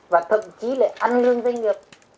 và thậm chí là ăn lương doanh nghiệp